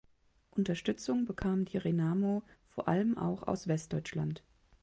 Unterstützung bekam die Renamo vor allem auch aus Westdeutschland.